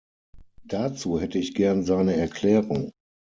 Dazu hätte ich gern seine Erklärung.